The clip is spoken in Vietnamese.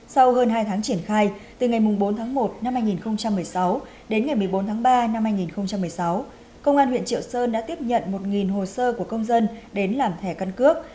sau hơn hai tháng triển khai từ ngày bốn tháng một năm hai nghìn một mươi sáu đến ngày một mươi bốn tháng ba năm hai nghìn một mươi sáu công an huyện triệu sơn đã tiếp nhận một hồ sơ của công dân đến làm thẻ căn cước